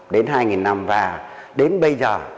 đến hai năm và đến bây giờ